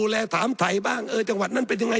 แหละถามถ่ายบ้างเออจังหวัดนั้นเป็นยังไง